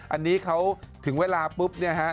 อันนี้เขาถึงเวลาปุ๊บเนี่ยฮะ